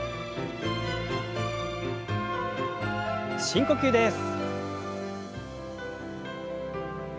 深呼吸です。